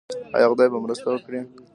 آیا خدای به مرسته وکړي؟